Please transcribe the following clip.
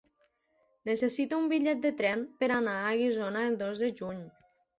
Necessito un bitllet de tren per anar a Guissona el dos de juny.